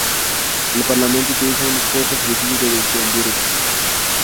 El Parlamento utiliza unos pocos edificios en Luxemburgo.